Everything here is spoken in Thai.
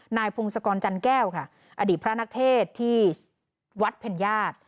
นายพงศกรจันแก้วค่ะอดีตพระนักเทศที่วัดเพ็ญญาติ